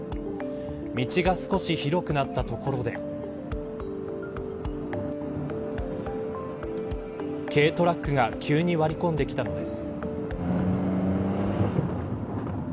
道が少し広くなったところで軽トラックが急に割り込んできたのです。